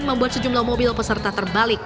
membuat sejumlah mobil peserta terbalik